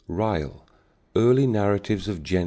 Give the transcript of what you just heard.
Ryle, Early Narratives of Gen.